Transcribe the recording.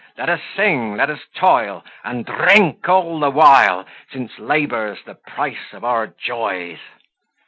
Let us sing, let us toil, And drink all the while, Since labour's the price of our joys.